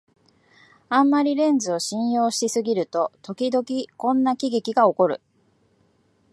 あんまりレンズを信用しすぎると、ときどきこんな喜劇がおこる